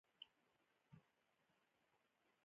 يره ما او تانه غير بل څوک راځي.